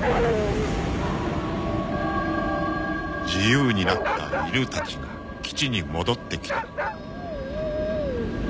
［自由になった犬たちが基地に戻ってきた］